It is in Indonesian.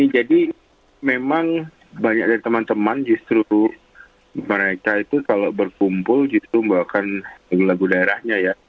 jadi memang banyak dari teman teman justru mereka itu kalau berkumpul justru membawakan lagu lagu daerahnya ya